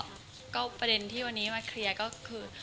แล้วก็ประเด็นที่วันนี้มาเคลียร์ก็คือ